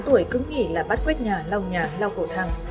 tám tuổi cứng nghỉ là bắt quét nhà lau nhà lau cổ thẳng